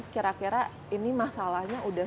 kira kira ini masalahnya udah